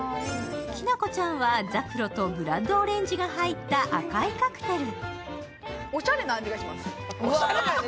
きなこちゃんはザクロとブラッドオレンジが入った赤いカクテル。